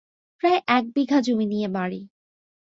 প্রায় এক বিঘা জমি নিয়ে বাড়ি।